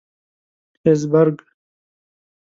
هېزبرګ.